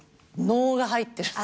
能が入ってる！？